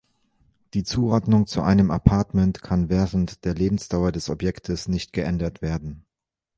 Die Zuordnung zu einem Apartment kann während der Lebensdauer des Objektes nicht geändert werden.